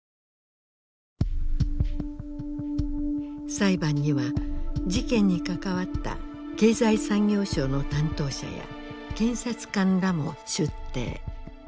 裁判には事件に関わった経済産業省の担当者や検察官らも出廷。